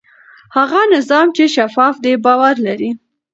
هغه نظام چې شفاف دی باور لري.